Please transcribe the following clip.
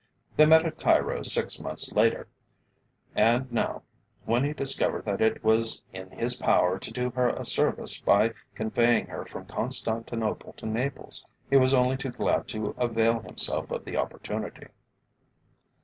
They met at Cairo six months later and now, when he discovered that it was in his power to do her a service by conveying her from Constantinople to Naples, he was only too glad to avail himself of the opportunity.